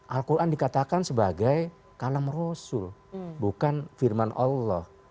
al quran dikatakan sebagai kalam rasul bukan firman allah